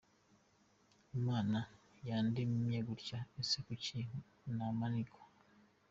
Imana yandemye gutya , ese kuki namanikwa?”.